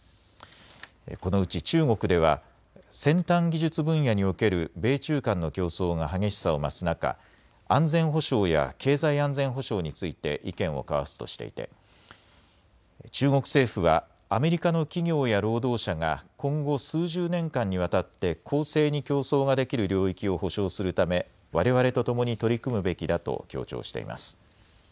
このうち中国では先端技術分野における米中間の競争が激しさを増す中、安全保障や経済安全保障について意見を交わすとしていて中国政府はアメリカの企業や労働者が今後、数十年間にわたって公正に競争ができる領域を保証するためわれわれとともに取り組むべきだと強調しています。